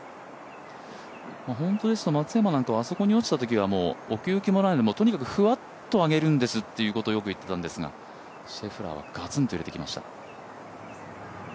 本当ですと松山なんかはあそこに落ちたら奥行きもないのでとにかくふわっと上げるんですということをよく言っていたんですが、シェフラーは、ガツンと入れてきました。